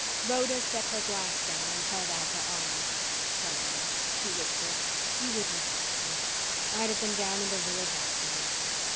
Rhoda set her glass down and held out her arms. "Darling," she whispered. "You wouldn't have had to. I'd have been down in the Village after you."